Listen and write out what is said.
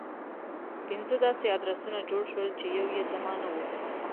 پنځه داسې ادرسونه جوړ شول چې يو يې زما نه و.